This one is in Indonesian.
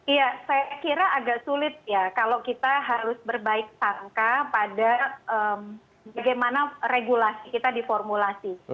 iya saya kira agak sulit ya kalau kita harus berbaik sangka pada bagaimana regulasi kita diformulasi